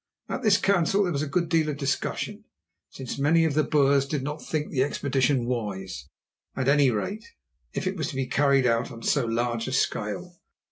At this council there was a good deal of discussion, since many of the Boers did not think the expedition wise—at any rate, if it was to be carried out on so large a scale.